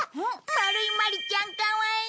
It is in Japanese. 丸井マリちゃんかわいい。